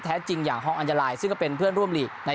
จริงอย่างฮองอัญญาลายซึ่งก็เป็นเพื่อนร่วมลีก